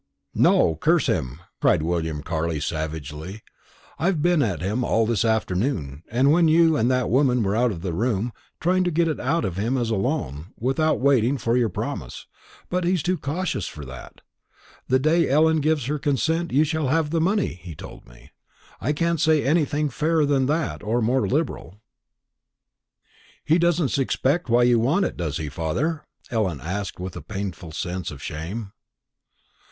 "No, curse him!" cried William Carley savagely. "I've been at him all this afternoon, when you and that woman were out of the room, trying to get it out of him as a loan, without waiting for your promise; but he's too cautious for that. 'The day Ellen gives her consent, you shall have the money,' he told me; 'I can't say anything fairer than that or more liberal.'" "He doesn't suspect why you want it, does he, father?" Ellen asked with a painful sense of shame.